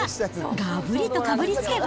がぶりとかぶりつけば。